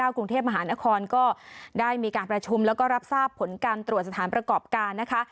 กรุงเทพมหานครก็ได้มีการประชุมแล้วก็รับทราบผลการตรวจสถานประกอบการนะคะ